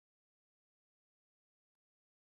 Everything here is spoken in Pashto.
د پښتنو په کلتور کې د ونو کینول ثواب دی.